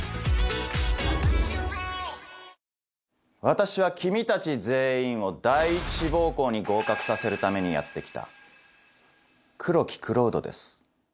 私は君たち全員を第一志望校に合格させるためにやって来た黒木蔵人です。